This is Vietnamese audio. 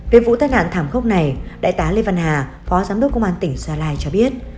về vụ tai nạn thảm khốc này đại tá lê văn hà phó giám đốc công an tỉnh gia lai cho biết